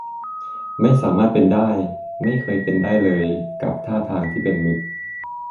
ไม่สามารถเป็นได้ ไม่เคยเป็นได้เลยกับท่าทางที่เป็นมิตร